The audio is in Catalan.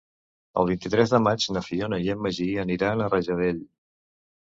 El vint-i-tres de maig na Fiona i en Magí aniran a Rajadell.